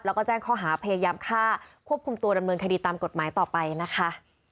แล้วก็แจ้งข้อหาพยายามฆ่าควบคุมตัวดำเนินคดีตามกฎหมายต่อไปนะคะ